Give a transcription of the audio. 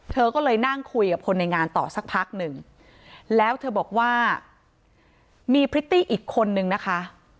เธอก็เลยนั่งคุยกับคนในงานต่อสักพักหนึ่งแล้วเธอบอกว่ามีพริตตี้อีกคนนึงนะคะ